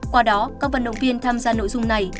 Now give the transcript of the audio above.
qua đó các vận động viên tham gia nội dung này